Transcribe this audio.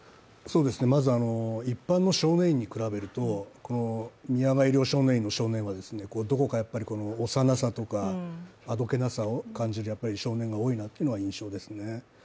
まず一般の少年院に比べると宮川医療少年院の少年たちは、どこか幼さとか、あどけなさを感じる少年が多いなというのが印象ですね。